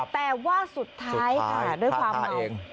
แต่ว่าสุดท้ายค่ะด้วยความเมา